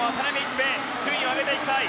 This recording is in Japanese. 順位を上げていきたい。